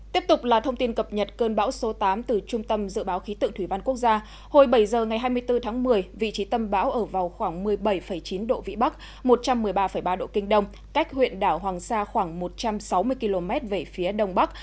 tiếp tục là thông tin cập nhật cơn bão số tám từ trung tâm dự báo khí tượng thủy văn quốc gia hồi bảy giờ ngày hai mươi bốn tháng một mươi vị trí tâm bão ở vào khoảng một mươi bảy chín độ vĩ bắc một trăm một mươi ba ba độ kinh đông cách huyện đảo hoàng sa khoảng một trăm sáu mươi km về phía đông bắc